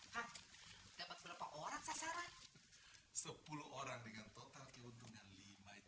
hah dapat berapa orang sasaran sepuluh orang dengan total keuntungan lima itu